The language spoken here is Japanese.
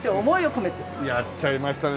やっちゃいましたね。